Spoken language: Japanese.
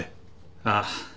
ああ。